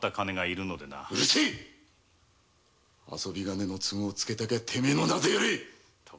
遊び金の都合をつけたきゃてめえの名前でやれ！